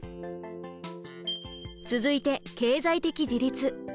続いて経済的自立。